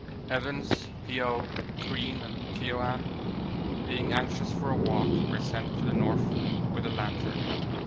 Evans, P.O., Crean and Keohane, being anxious for a walk, were sent to the north with a lantern.